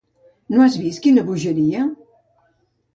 No has vist, quina bogeria?